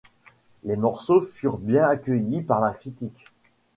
Les morceaux furent bien accueillis par la critique.